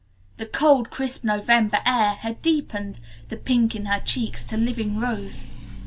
The cold crisp November air had deepened the pink in her cheeks to living rose.